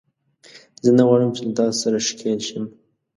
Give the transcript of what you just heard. زه نه غواړم چې له تاسو سره ښکېل شم